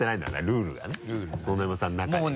ルールがね野々山さんの中で。